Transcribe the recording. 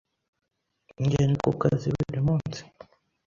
Ngenda ku kazi buri munsi.